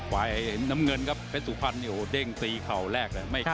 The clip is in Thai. ฝ่ายน้ำเงินครับไปสุพันธุ์โหเด้งตีเขาแรกเลย